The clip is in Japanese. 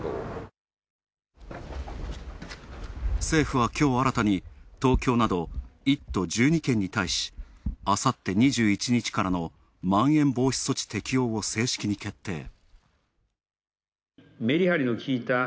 政府はきょう新たに、東京など１都１２県に対しあさって２１日からのまん延防止等重点措置適用を正式に決定。